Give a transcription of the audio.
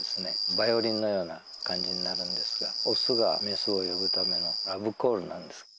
バイオリンのような感じになるんですがオスがメスを呼ぶためのラブコールなんです